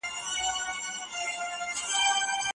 د جرګې په پای کي دعا څوک کوي؟